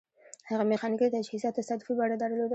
هغه میخانیکي تجهیزات تصادفي بڼه درلوده